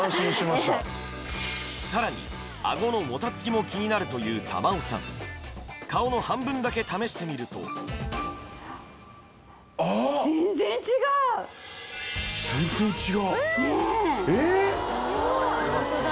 さらにあごのもたつきも気になるという珠緒さん顔の半分だけ試してみるとあっ全然違うねっえっ？